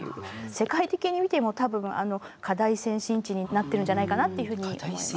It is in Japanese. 世界的に見ても多分課題先進地になってるんじゃないかなというふうに思います。